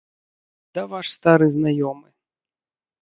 Да ваш стары знаёмы.